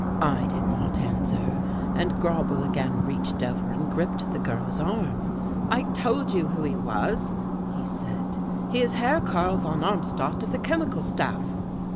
I did not answer, and Grauble again reached over and gripped the girl's arm. "I told you who he was," he said. "He is Herr Karl von Armstadt of the Chemical Staff."